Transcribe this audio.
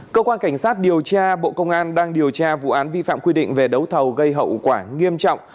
cơ quan cảnh sát điều tra bộ công an đang điều tra vụ án vi phạm quy định về đấu thầu gây hậu quả nghiêm trọng